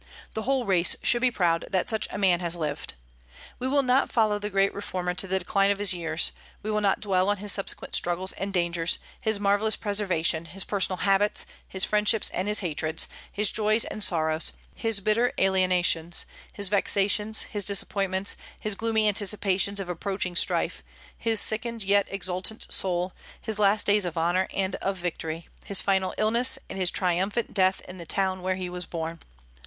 The whole race should be proud that such a man has lived. We will not follow the great reformer to the decline of his years; we will not dwell on his subsequent struggles and dangers, his marvellous preservation, his personal habits, his friendships and his hatreds, his joys and sorrows, his bitter alienations, his vexations, his disappointments, his gloomy anticipations of approaching strife, his sickened yet exultant soul, his last days of honor and of victory, his final illness, and his triumphant death in the town where he was born.